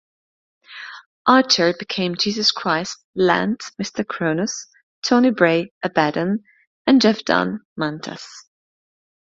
Archer became "Jesus Christ", Lant "Mr. Cronos", Tony Bray "Abaddon", and Jeff Dunn "Mantas".